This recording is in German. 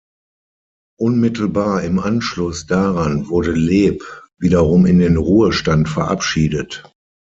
Unmittelbar im Anschluss daran wurde Leeb wiederum in den Ruhestand verabschiedet.